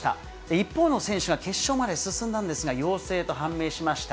一方の選手が決勝まで進んだんですが、陽性と判明しました。